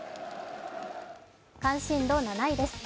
関心度７位です。